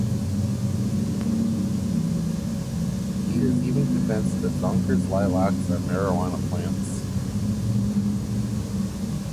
He is even convinced that Zonker's lilacs are marijuana plants.